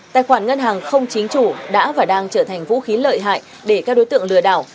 tài khoản ngân hàng không chính chủ đã và đang trở thành vũ khí lợi hại để các đối tượng lừa đảo